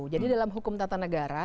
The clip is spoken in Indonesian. jadi dalam hukum tata negara